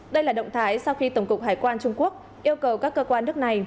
đây là động thái sau khi tổng cục hải quan trung quốc yêu cầu các cơ quan nước này